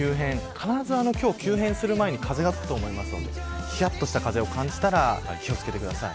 必ず、今日は急変する前に風が吹くと思うのでひやっとした風を感じたら気を付けてください。